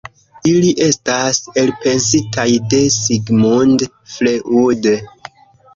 Ili estas elpensitaj de Sigmund Freud.